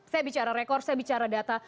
saya bicara rekor saya bicara data